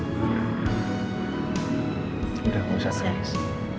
udah gak usah nangis